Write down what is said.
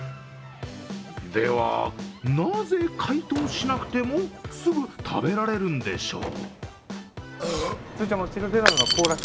では、なぜ解凍しなくても、すぐ食べられるんでしょう？